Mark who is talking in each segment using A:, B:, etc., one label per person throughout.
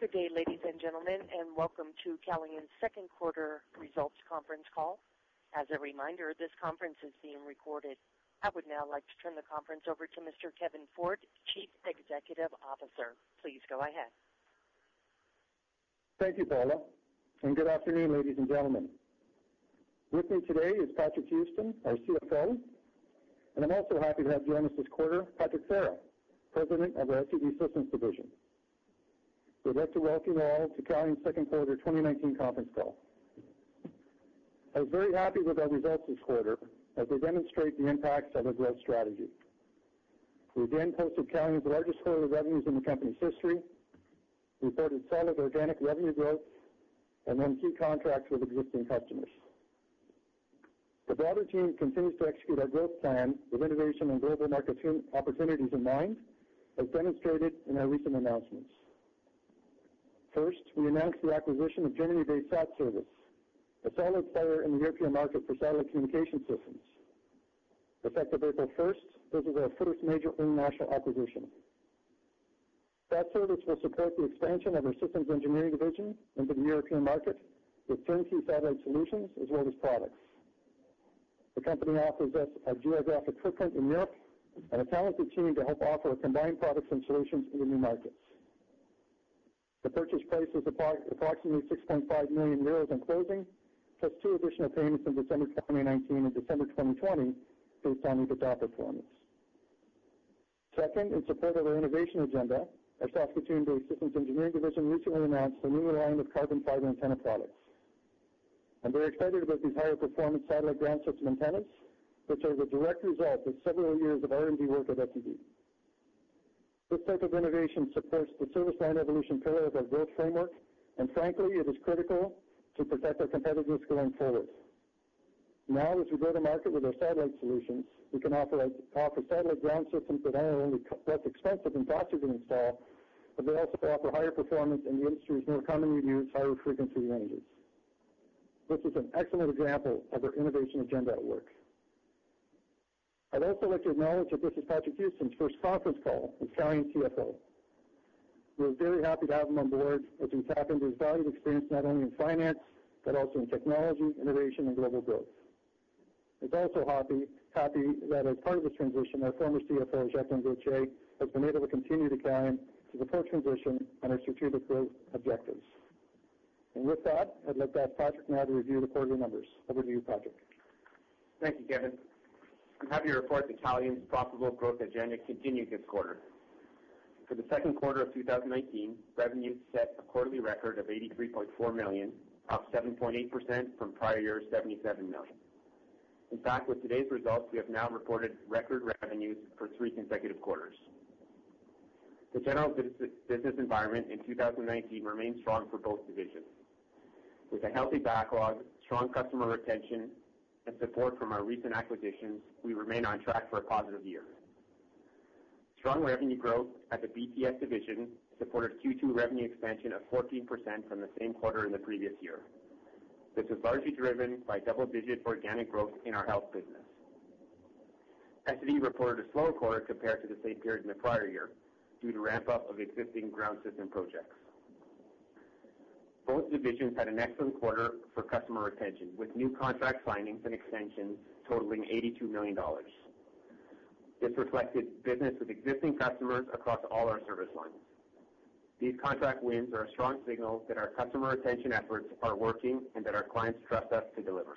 A: Good day, ladies and gentlemen, welcome to Calian's second quarter results conference call. As a reminder, this conference is being recorded. I'd now like to turn the conference over to Mr. Kevin Ford, Chief Executive Officer. Please go ahead.
B: Thank you, Paula, good afternoon, ladies and gentlemen. With me today is Patrick Houston, our CFO, and I'm also happy to have join us this quarter, Patrick Thera, President of our SED Systems Division. We'd like to welcome you all to Calian's second quarter 2019 conference call. I was very happy with our results this quarter as they demonstrate the impacts of a growth strategy. We again posted Calian's largest quarter of revenues in the company's history, reported solid organic revenue growth, and won key contracts with existing customers. The broader team continues to execute our growth plan with innovation and global market opportunities in mind, as demonstrated in our recent announcements. First, we announced the acquisition of Germany-based SatService, a solid player in the European market for satellite communication systems. Effective April 1st, this is our first major international acquisition. SatService will support the expansion of our Systems Engineering Division into the European market with turnkey satellite solutions as well as products. The company offers us a geographic footprint in Europe and a talented team to help offer combined products and solutions in new markets. The purchase price was approximately 6.5 million euros on closing, plus two additional payments in December 2019 and December 2020 based on EBITDA performance. Second, in support of our innovation agenda, our Saskatoon-based Systems Engineering Division recently announced a new line of carbon fiber antenna products. I'm very excited about these higher performance satellite ground system antennas, which are the direct result of several years of R&D work at SED. This type of innovation supports the service line evolution pillar of our growth framework, and frankly, it is critical to protect our competitiveness going forward. Now, as we go to market with our satellite solutions, we can offer satellite ground systems that are not only less expensive and faster to install, but they also offer higher performance in the industry's more commonly used higher frequency ranges. This is an excellent example of our innovation agenda at work. I'd also like to acknowledge that this is Patrick Houston's first conference call as Calian CFO. We're very happy to have him on board as we tap into his valued experience, not only in finance, but also in technology, innovation, and global growth. He's also happy that as part of this transition, our former CFO, Jacqueline Gauthier, has been able to continue at Calian to support transition and our strategic growth objectives. With that, I'd like to ask Patrick now to review the quarterly numbers. Over to you, Patrick.
C: Thank you, Kevin. I'm happy to report that Calian's profitable growth agenda continued this quarter. For the second quarter of 2019, revenues set a quarterly record of 83.4 million, up 7.8% from prior year's 77 million. In fact, with today's results, we have now reported record revenues for three consecutive quarters. The general business environment in 2019 remains strong for both divisions. With a healthy backlog, strong customer retention, and support from our recent acquisitions, we remain on track for a positive year. Strong revenue growth at the BTS division supported Q2 revenue expansion of 14% from the same quarter in the previous year. This was largely driven by double-digit organic growth in our health business. SED reported a slower quarter compared to the same period in the prior year due to ramp-up of existing ground system projects. Both divisions had an excellent quarter for customer retention, with new contract signings and extensions totaling 82 million dollars. This reflected business with existing customers across all our service lines. These contract wins are a strong signal that our customer retention efforts are working and that our clients trust us to deliver.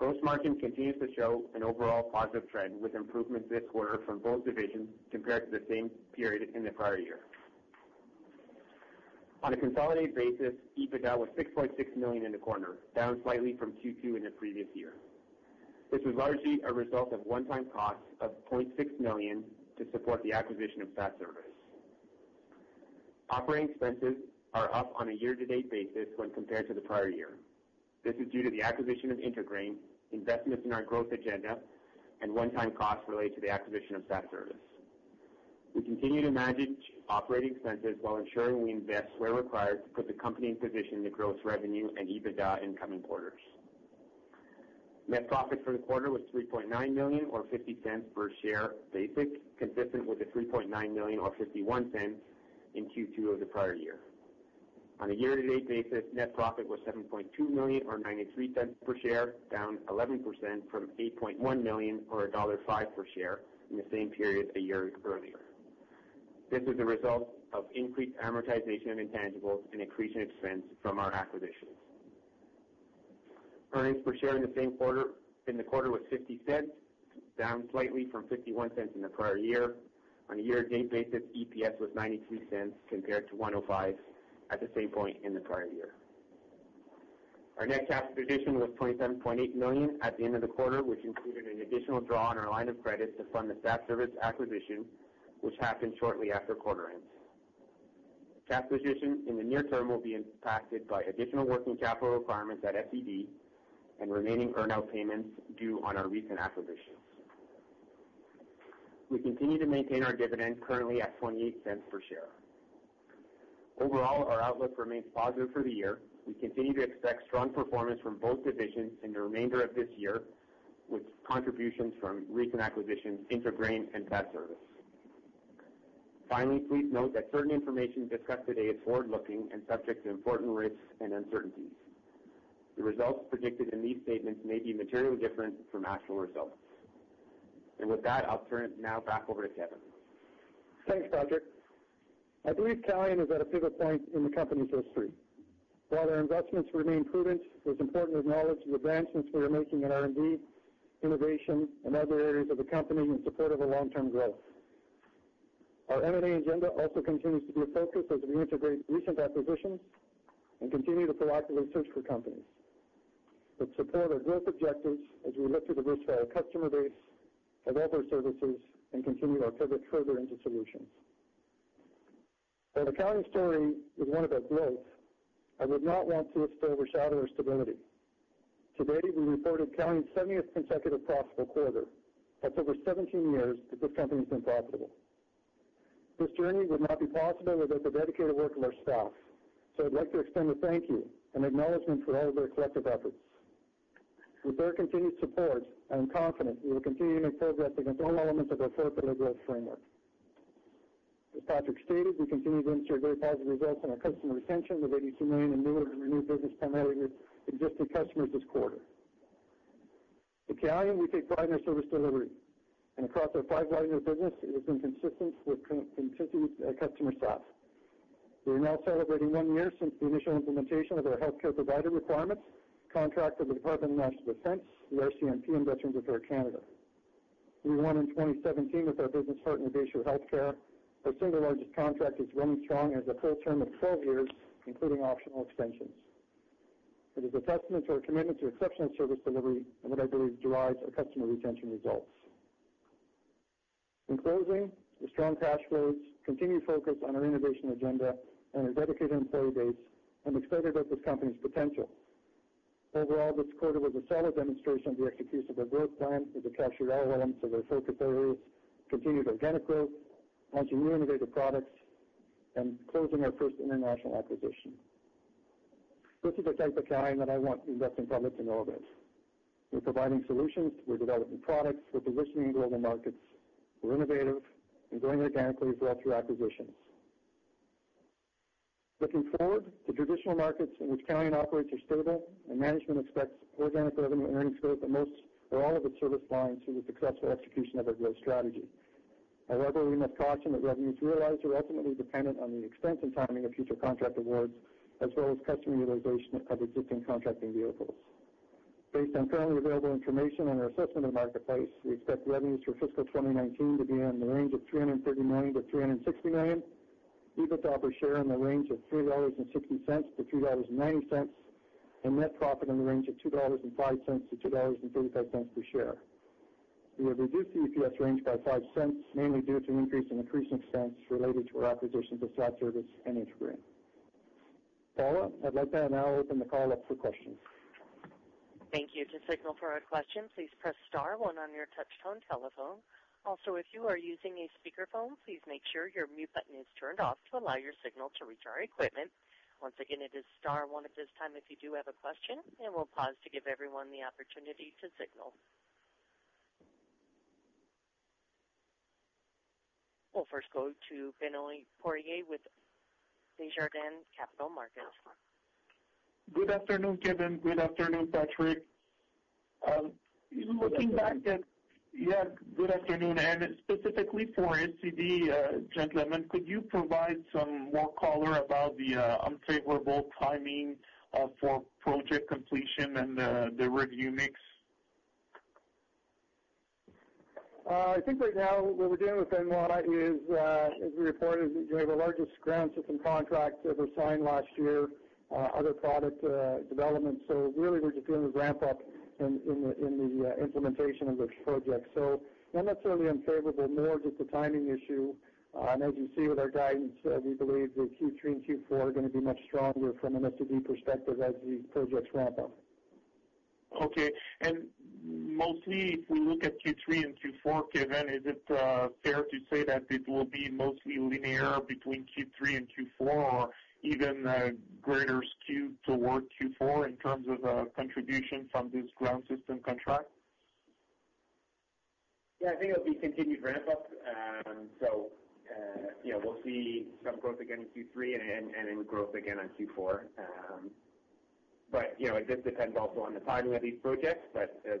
C: Gross margin continues to show an overall positive trend with improvements this quarter from both divisions compared to the same period in the prior year. On a consolidated basis, EBITDA was 6.6 million in the quarter, down slightly from Q2 in the previous year. This was largely a result of one-time costs of 0.6 million to support the acquisition of SatService. Operating expenses are up on a year-to-date basis when compared to the prior year. This is due to the acquisition of IntraGrain, investments in our growth agenda, and one-time costs related to the acquisition of SatService. We continue to manage operating expenses while ensuring we invest where required to put the company in position to grow its revenue and EBITDA in coming quarters. Net profit for the quarter was 3.9 million or 0.50 per share basic, consistent with the 3.9 million or 0.51 in Q2 of the prior year. On a year-to-date basis, net profit was 7.2 million or 0.93 per share, down 11% from 8.1 million or dollar 1.05 per share in the same period a year earlier. This is a result of increased amortization of intangibles and increase in expense from our acquisitions. Earnings per share in the quarter was 0.50, down slightly from 0.51 in the prior year. On a year-to-date basis, EPS was 0.93 compared to 1.05 at the same point in the prior year. Our net cash position was 27.8 million at the end of the quarter, which included an additional draw on our line of credit to fund the SatService acquisition, which happened shortly after quarter end. Cash position in the near term will be impacted by additional working capital requirements at SED and remaining earn-out payments due on our recent acquisitions. We continue to maintain our dividend, currently at 0.28 per share. Overall, our outlook remains positive for the year. We continue to expect strong performance from both divisions in the remainder of this year. With contributions from recent acquisitions, IntraGrain and SatService. Please note that certain information discussed today is forward-looking and subject to important risks and uncertainties. The results predicted in these statements may be materially different from actual results. With that, I'll turn it now back over to Kevin.
B: Thanks, Patrick. I believe Calian is at a pivot point in the company's history. While our investments remain prudent, it is important to acknowledge the advancements we are making in R&D, innovation, and other areas of the company in support of our long-term growth. Our M&A agenda also continues to be a focus as we integrate recent acquisitions and continue to proactively search for companies that support our growth objectives as we look to diversify our customer base, add other services, and continue our pivot further into solutions. While the Calian story is one of our growth, I would not want to overshadow our stability. Today, we reported Calian's 70th consecutive profitable quarter. That's over 17 years that this company's been profitable. This journey would not be possible without the dedicated work of our staff. I'd like to extend a thank you and acknowledgement for all of their collective efforts. With their continued support, I am confident we will continue to make progress against all elements of our four-pillar growth framework. As Patrick stated, we continue to demonstrate very positive results in our customer retention with 82 million in new and renewed business from our existing customers this quarter. At Calian, we take pride in our service delivery, and across our five lines of business, it has been consistent with continued customer satisfaction. We are now celebrating one year since the initial implementation of our healthcare provider requirements contract with the Department of National Defence, the RCMP, and Veterans Affairs Canada. We won in 2017 with our business partner, Bayshore HealthCare. Their single largest contract is running strong and has a full term of 12 years, including optional extensions. It is a testament to our commitment to exceptional service delivery and what I believe drives our customer retention results. In closing, the strong cash flows continue focus on our innovation agenda and our dedicated employee base and we celebrate this company's potential. Overall, this quarter was a solid demonstration of the execution of our growth plan as it captured all elements of our focus areas, continued organic growth, launching new innovative products, and closing our first international acquisition. This is the type of Calian that I want the investment public to know of us. We're providing solutions, we're developing products, we're positioning global markets, we're innovative, and growing organically as well through acquisitions. Looking forward, the traditional markets in which Calian operates are stable, and management expects organic revenue and earnings growth in most or all of its service lines through the successful execution of our growth strategy. However, we must caution that revenues realized are ultimately dependent on the extent and timing of future contract awards, as well as customer utilization of existing contracting vehicles. Based on currently available information and our assessment of the marketplace, we expect revenues for fiscal 2019 to be in the range of 330 million-360 million, EBITDA per share in the range of 3.60-3.90 dollars, and net profit in the range of 2.05-2.35 dollars per share. We have reduced the EPS range by 0.05, mainly due to an increase in expense related to our acquisitions of SatService and IntraGrain. Paula, I'd like to now open the call up for questions.
A: Thank you. To signal for a question, please press *1 on your touch-tone telephone. Also, if you are using a speakerphone, please make sure your mute button is turned off to allow your signal to reach our equipment. Once again, it is *1 at this time if you do have a question, and we'll pause to give everyone the opportunity to signal. We'll first go to Benoit Poirier with Desjardins Capital Markets.
D: Good afternoon, Kevin. Good afternoon, Patrick.
B: Good afternoon.
D: Yes, good afternoon. Specifically for SED, gentlemen, could you provide some more color about the unfavorable timing for project completion and the review mix?
B: I think right now what we're dealing with, Benoit, is we reported that we have the largest ground system contract that was signed last year, other product development. Really, we're just doing the ramp up in the implementation of those projects. Not necessarily unfavorable, more just a timing issue. As you see with our guidance, we believe that Q3 and Q4 are going to be much stronger from an SED perspective as the projects ramp up.
D: Okay. Mostly, if we look at Q3 and Q4, Kevin, is it fair to say that it will be mostly linear between Q3 and Q4 or even a greater skew toward Q4 in terms of contribution from this ground system contract?
C: Yeah, I think it'll be continued ramp up. We'll see some growth again in Q3, growth again on Q4. It just depends also on the timing of these projects,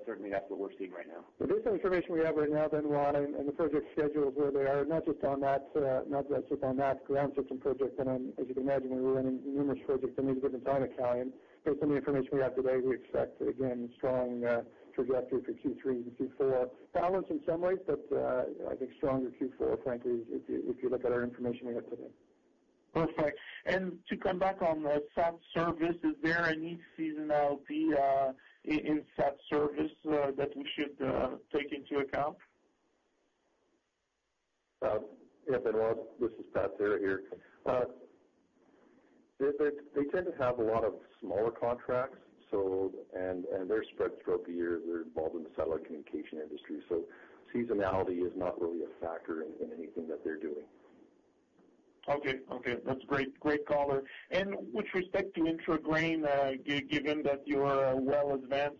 C: certainly that's what we're seeing right now.
B: With this information we have right now, Benoit, and the project schedules where they are, not just on that ground system project, Benoit, as you can imagine, we're running numerous projects at any given time at Calian. Based on the information we have today, we expect, again, a strong trajectory for Q3 and Q4. Balanced in some ways, but I think stronger Q4, frankly, if you look at our information we have today.
D: To come back on SatService, is there any seasonality in SatService that we should take into account?
E: Yeah, Benoit, this is Patrick Thera here. They tend to have a lot of smaller contracts, and they're spread throughout the year. They're involved in the satellite communication industry, so seasonality is not really a factor in anything that they're doing.
D: Okay. That's great color. With respect to IntraGrain, given that you are well advanced,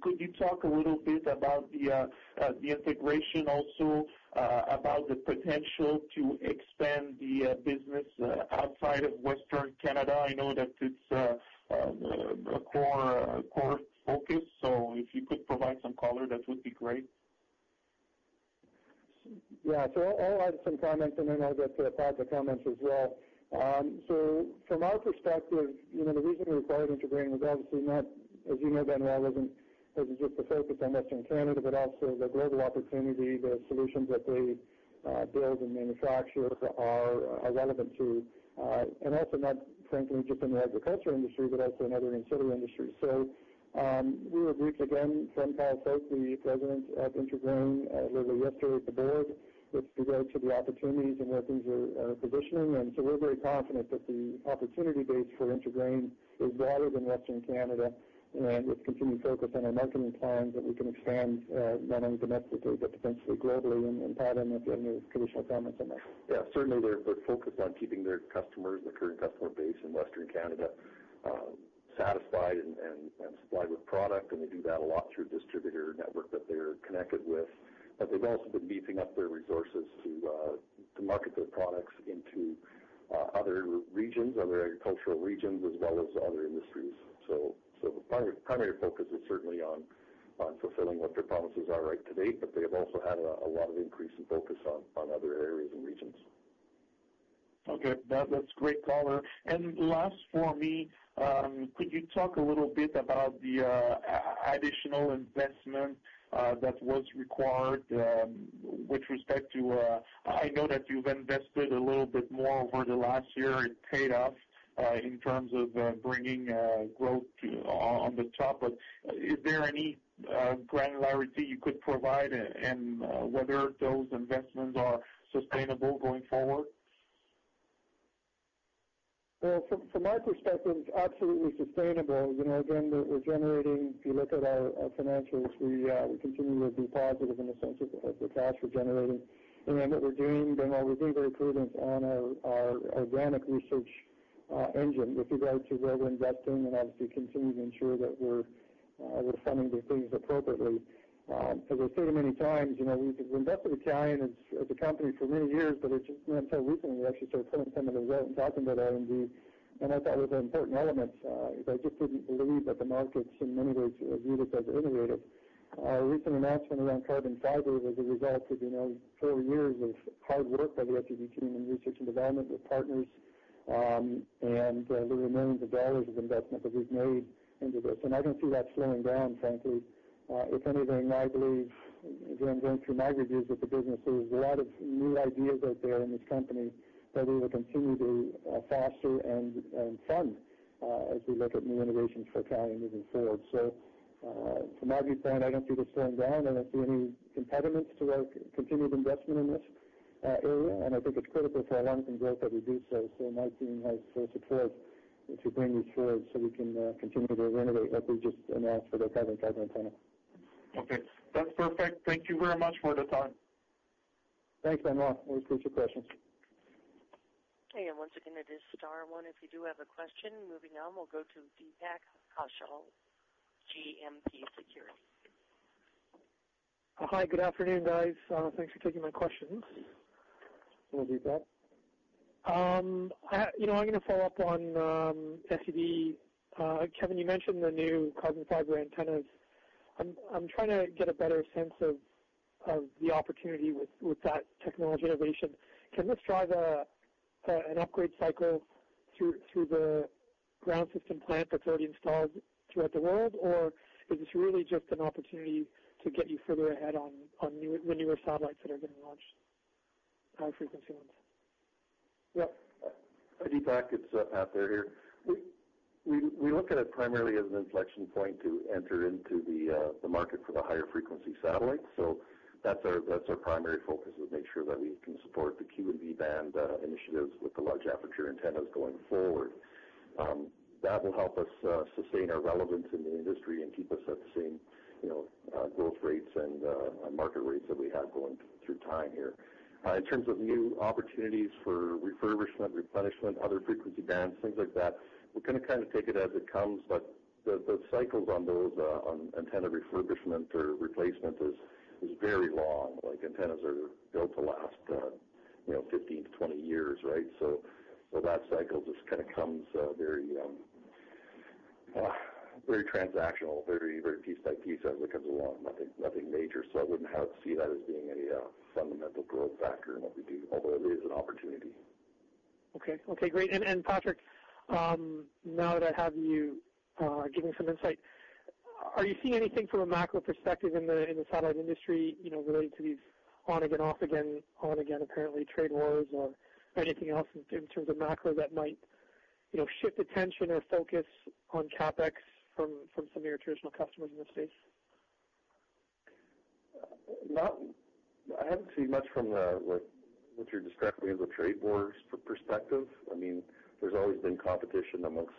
D: could you talk a little bit about the integration, also about the potential to expand the business outside of Western Canada? I know that it's a core focus, so if you could provide some color, that would be great.
B: Yeah. I'll add some comments, then I'll get to Patrick's comments as well. From our perspective, the reason we acquired IntraGrain was obviously not, as you know, Benoit, wasn't just the focus on Western Canada, but also the global opportunity. The solutions that they build and manufacture are relevant to, and also not frankly just in the agriculture industry, but also in other ancillary industries. We have briefed again, from Kyle Folk, the president of IntraGrain, literally yesterday at the board with regards to the opportunities and where things are positioning. We're very confident that the opportunity base for IntraGrain is broader than Western Canada, and with continued focus on our marketing plans that we can expand, not only domestically, but potentially globally. Patrick, maybe you have any additional comments on that.
E: Yeah, certainly they're focused on keeping their customers, their current customer base in Western Canada, satisfied and supplied with product. They do that a lot through a distributor network that they're connected with. They've also been beefing up their resources to market their products into other regions, other agricultural regions, as well as other industries. The primary focus is certainly on fulfilling what their promises are to date, but they have also had a lot of increase in focus on other areas and regions.
D: Okay. That's great color. Last for me, could you talk a little bit about the additional investment that was required with respect to I know that you've invested a little bit more over the last year. It paid off in terms of bringing growth on the top. Is there any granularity you could provide and whether those investments are sustainable going forward?
B: Well, from our perspective, it's absolutely sustainable. Again, we're generating, if you look at our financials, we continue to be positive in the sense of the cash we're generating. What we're doing, Benoit, we're being very prudent on our organic research engine with regards to where we're investing and obviously continuing to ensure that we're funding these things appropriately. As I've said many times, we've invested in Calian as a company for many years, but it's just not until recently we actually started pulling some of it out and talking about R&D. That was an important element. If I just didn't believe that the markets, in many ways, viewed us as innovative. Our recent announcement around carbon fiber was a result of 4 years of hard work by the FTD team in research and development with partners, and the millions of CAD of investment that we've made into this. I don't see that slowing down, frankly. If anything, I believe, again, going through my reviews of the business, there's a lot of new ideas out there in this company that we will continue to foster and fund as we look at new innovations for Calian moving forward. From my viewpoint, I don't see this slowing down. I don't see any impediments to our continued investment in this area. I think it's critical for our long-term growth that we do so. My team has full support to bring these forward so we can continue to innovate, like we just announced for the carbon fiber antenna.
D: Okay. That's perfect. Thank you very much for the time.
B: Thanks, Benoit. Always appreciate your questions.
A: Okay. Once again, it is star one if you do have a question. Moving on, we'll go to Deepak Kaushal, GMP Securities.
F: Hi, good afternoon, guys. Thanks for taking my questions.
B: Hello, Deepak.
F: I'm going to follow up on FTD. Kevin, you mentioned the new carbon fiber antennas. I'm trying to get a better sense of the opportunity with that technology innovation. Can this drive an upgrade cycle through the ground system plant that's already installed throughout the world, or is this really just an opportunity to get you further ahead on the newer satellites that are getting launched, high frequency ones?
E: Yeah. Hi, Deepak, it's Patrick here. We look at it primarily as an inflection point to enter into the market for the higher frequency satellites. That's our primary focus, is make sure that we can support the Ku and V band initiatives with the large aperture antennas going forward. That will help us sustain our relevance in the industry and keep us at the same growth rates and market rates that we have going through time here. In terms of new opportunities for refurbishment, replenishment, other frequency bands, things like that, we're going to take it as it comes, but the cycles on those, on antenna refurbishment or replacement is very long. Antennas are built to last 15 to 20 years, right? That cycle just comes very transactional, very piece by piece as it comes along, nothing major. I wouldn't see that as being a fundamental growth factor in what we do, although it is an opportunity.
F: Okay. Great. Patrick, now that I have you giving some insight, are you seeing anything from a macro perspective in the satellite industry, relating to these on again, off again, on again apparently trade wars or anything else in terms of macro that might shift attention or focus on CapEx from some of your traditional customers in this space?
E: I haven't seen much from what you're describing as a trade wars perspective. There's always been competition amongst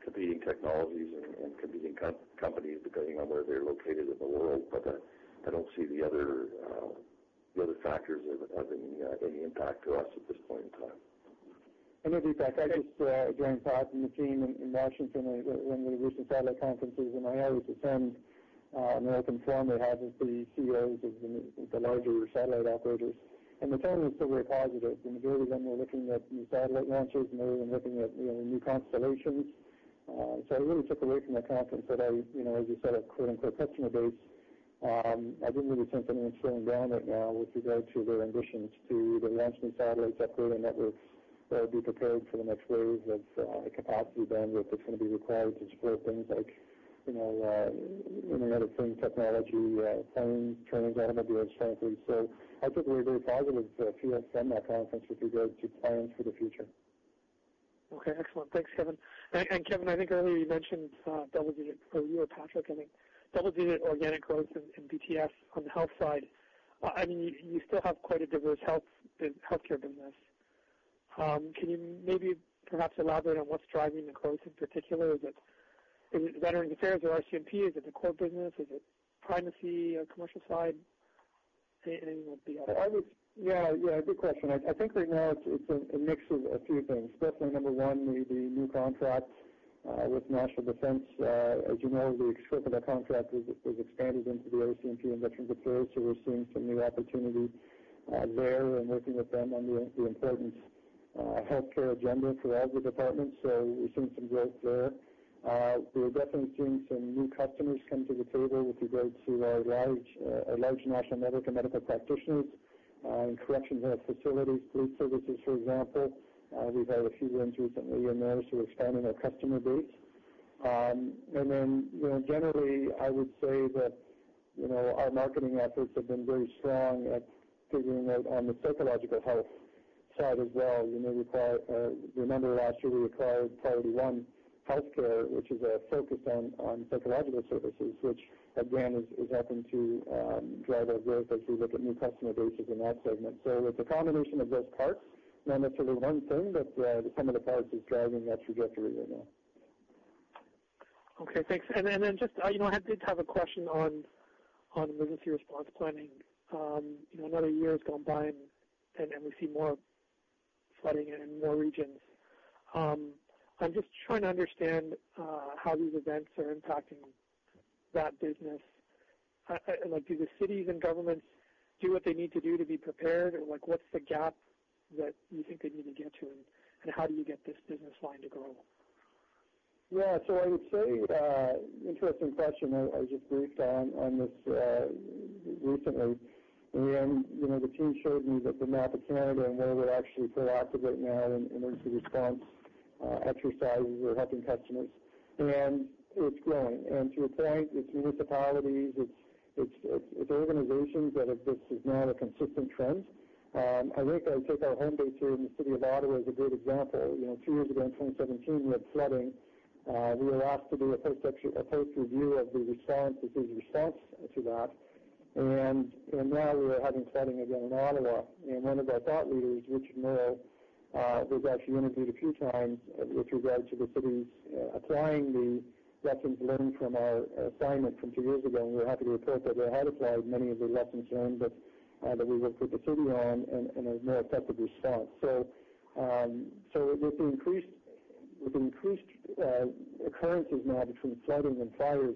E: competing technologies and competing companies, depending on where they're located in the world. I don't see the other factors as having any impact to us at this point in time.
B: As a fact, I just ran past the team in Washington when we were at recent satellite conferences, and I always attend an open forum they have with the CEOs of the larger satellite operators. The tone was still very positive. Majority of them were looking at new satellite launches, and they were even looking at new constellations. I really took away from that conference that, as you said, a "customer base." I didn't really sense anyone slowing down right now with regard to their ambitions to either launch new satellites, upgrade their networks, or be prepared for the next wave of capacity bandwidth that's going to be required to support things like Internet of Things technology, planes, trains, automobiles, tractors. I think we were very positive, a few months from that conference, with regard to plans for the future.
F: Okay, excellent. Thanks, Kevin. Kevin, I think earlier you mentioned double-digit organic growth in BTS on the health side. You still have quite a diverse healthcare business. Can you maybe perhaps elaborate on what's driving the growth in particular? Is it Veterans Affairs or RCMP? Is it the core business? Is it primary commercial side? Anything would be helpful.
B: Yeah. Good question. I think right now it's a mix of a few things. Definitely number one would be new contracts with National Defence. As you know, the scope of that contract was expanded into the RCMP and Veterans Affairs, we're seeing some new opportunity there and working with them on the important healthcare agenda for all the departments. We're seeing some growth there. We're definitely seeing some new customers come to the table with regard to our large national network of medical practitioners in correctional facilities, police services, for example. We've had a few wins recently in there, we're expanding our customer base. Generally, I would say that our marketing efforts have been very strong at figuring out on the psychological health side as well. You may remember last year we acquired Priority One, which is focused on psychological services, which, again, is helping to drive our growth as we look at new customer bases in that segment. It's a combination of those parts, not necessarily one thing, but the sum of the parts is driving that trajectory right now.
F: Okay, thanks. I did have a question on emergency response planning. Another year has gone by, we see more flooding in more regions. I'm just trying to understand how these events are impacting that business. Do the cities and governments do what they need to do to be prepared, what's the gap that you think they need to get to, how do you get this business line to grow?
B: Yeah. I would say, interesting question. I just briefed on this recently. In the end, the team showed me the map of Canada and where we're actually proactive right now in emergency response exercises. We're helping customers, and it's growing. To your point, it's municipalities, it's organizations that this is now a consistent trend. I think I take our home base here in the city of Ottawa as a great example. Two years ago, in 2017, we had flooding. We were asked to do a post review of the response to that. Now we are having flooding again in Ottawa. One of our thought leaders, Richard Merrill, was actually interviewed a few times with regard to the city's applying the lessons learned from our assignment from two years ago, and we're happy to report that they had applied many of the lessons learned that we worked with the city on in a more effective response. With the increased occurrences now between flooding and fires,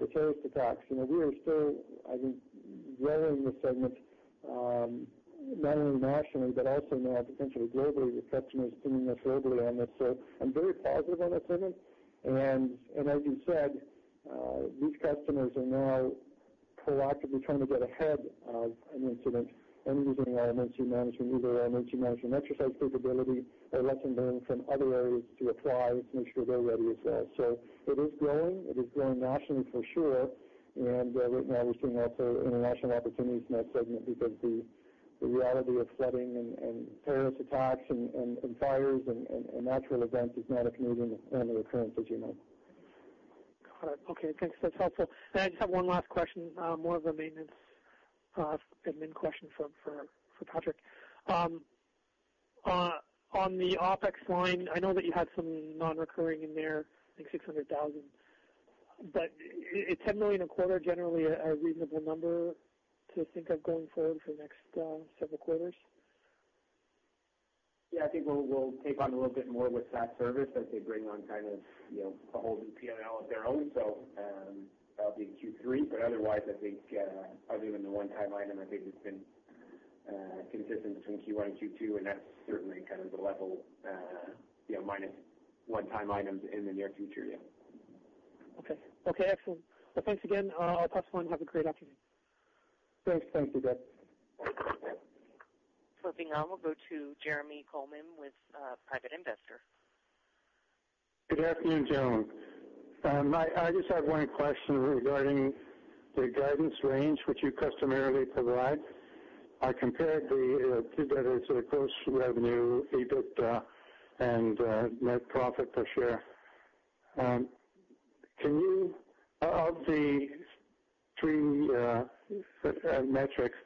B: the terrorist attacks, we are still, I think, growing this segment, not only nationally but also now potentially globally with customers seeing us globally on this. I'm very positive on that segment. As you said, these customers are now proactively trying to get ahead of an incident and using our emergency management, either our emergency management exercise capability or lesson learned from other areas to apply to make sure they're ready as well. It is growing. It is growing nationally for sure, right now we're seeing also international opportunities in that segment because the reality of flooding and terrorist attacks and fires and natural events is not a Canadian-only occurrence, as you know.
F: Got it. Okay, thanks. That's helpful. I just have one last question, more of a maintenance admin question for Patrick. On the OpEx line, I know that you had some non-recurring in there, I think 600,000. Is 10 million a quarter generally a reasonable number to think of going forward for the next several quarters?
C: Yeah. I think we'll take on a little bit more with SatService as they bring on a whole new P&L of their own. That'll be Q3, otherwise, I think other than the one-time item, I think it's been consistent between Q1 and Q2, and that's certainly kind of the level, minus one-time items in the near future. Yeah.
F: Okay. Excellent. Well, thanks again. I'll pass the line. Have a great afternoon.
B: Thanks. Thank you, Deepak.
A: Flipping on. We'll go to Jeremy Coleman with Private Investor.
G: Good afternoon, gentlemen. I just have one question regarding the guidance range which you customarily provide. I compared the two together, so the gross revenue, EBITDA, and net profit per share. Of the three metrics,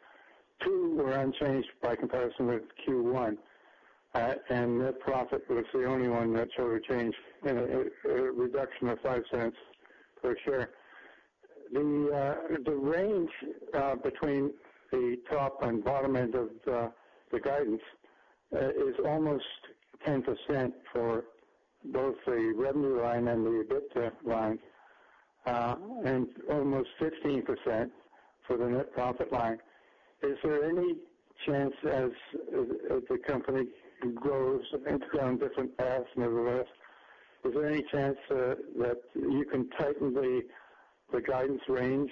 G: two were unchanged by comparison with Q1, and net profit was the only one that sort of changed in a reduction of 0.05 per share. The range between the top and bottom end of the guidance is almost 10% for both the revenue line and the EBITDA line, and almost 15% for the net profit line. As the company grows and goes down different paths nevertheless, is there any chance that you can tighten the guidance range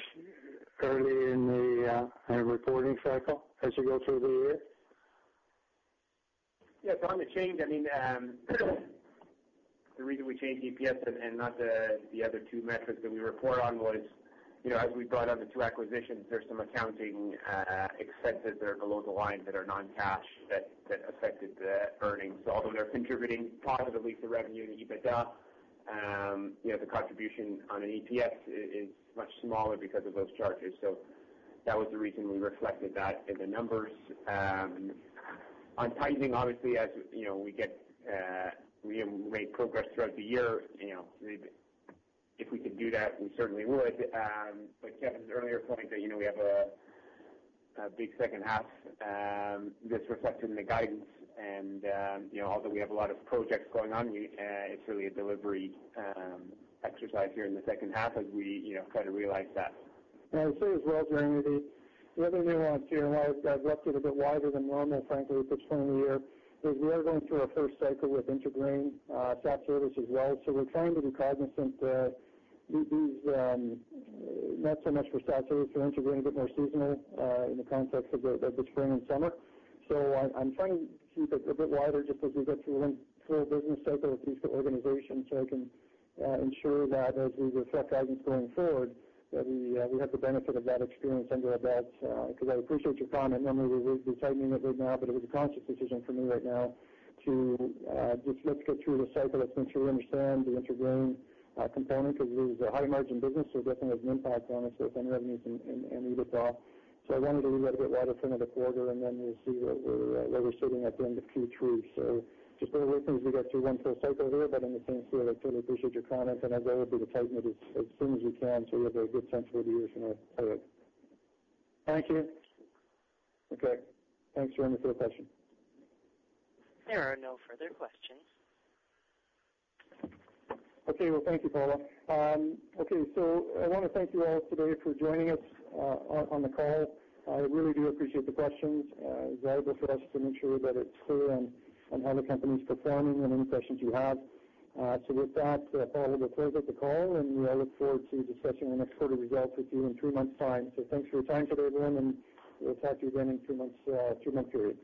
G: early in the reporting cycle as you go through the year?
C: Yes. On the change, the reason we changed EPS and not the other two metrics that we report on was as we brought on the two acquisitions, there's some accounting expenses that are below the line that are non-cash that affected the earnings. Although they're contributing positively to revenue and EBITDA, the contribution on an EPS is much smaller because of those charges. That was the reason we reflected that in the numbers. On tightening, obviously, as we make progress throughout the year, if we could do that, we certainly would. To Kevin's earlier point, we have a big second half. This reflected in the guidance, and although we have a lot of projects going on, it's really a delivery exercise here in the second half as we try to realize that.
B: I would say as well, Jeremy, the other nuance here, and I've left it a bit wider than normal, frankly, at this time of the year, is we are going through our first cycle with IntraGrain, SatService as well. We're trying to be cognizant, not so much for SatService or IntraGrain, but more seasonal in the context of the spring and summer. I'm trying to keep it a bit wider just as we go through one full business cycle with these two organizations so I can ensure that as we reflect guidance going forward, that we have the benefit of that experience under our belts. I appreciate your comment. Normally, we would be tightening it right now, it was a conscious decision for me right now to just let's get through the cycle, let's make sure we understand the IntraGrain component, because it is a high-margin business, so it definitely has an impact on us both on revenues and EBITDA. I wanted to leave that a bit wider for another quarter, and then we'll see where we're sitting at the end of Q3. Just one of those things we got through one full cycle there, on the same scale, I totally appreciate your comment, and I'd rather be the tight-knit as soon as we can so we have a good sense for the year going forward.
G: Thank you.
B: Okay. Thanks, Jeremy, for the question.
A: There are no further questions.
B: Okay. Well, thank you, Paula. Okay, I want to thank you all today for joining us on the call. I really do appreciate the questions. It's valuable for us to ensure that it's clear on how the company's performing and any questions you have. With that, Paula will close up the call, and I look forward to discussing our next quarter results with you in three months' time. Thanks for your time today, everyone, and we'll talk to you again in three months period.